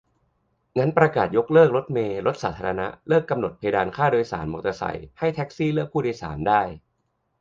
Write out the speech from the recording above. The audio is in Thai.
งั้นประกาศยกเลิกรถเมล์ รถสาธารณะ เลิกกำหนดเพดานค่าโดยสารมอไซค์ ให้แท็กซี่เลือกผู้โดยสารได้